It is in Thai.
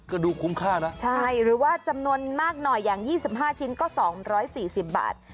ก็ดูคุ้มค่านะใช่หรือว่าจำนวนมากหน่อยอย่างยี่สิบห้าชิ้นก็สองร้อยสี่สิบบาท